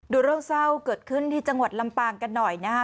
ดูเรื่องเศร้าเกิดขึ้นที่จังหวัดลำปางกันหน่อยนะฮะ